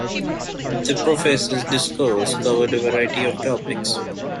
The professor’s discourse covered a variety of topics.